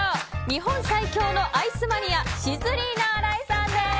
日本最強のアイスマニアシズリーナ荒井さんです。